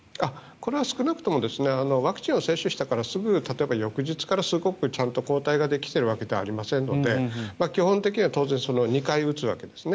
これは少なくともワクチンを接種したから例えば、すぐ翌日からすごくちゃんと抗体ができているわけではありませんので基本的には当然２回打つわけですね。